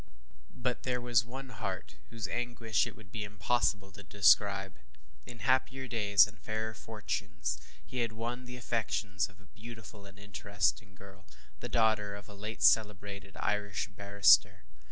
But there was one heart whose anguish it would be impossible to describe. In happier days and fairer fortunes, he had won the affections of a beautiful and interesting girl, the daughter of a late celebrated Irish barrister.